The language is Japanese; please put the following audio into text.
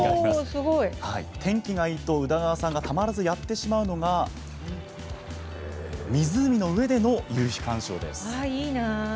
天気がいいとたまらずやってしまうのが湖の上での夕日鑑賞です。